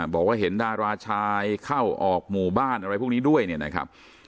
บอกว่าเห็นดาราชายเข้าออกหมู่บ้านอะไรพวกนี้ด้วยเนี่ยนะครับ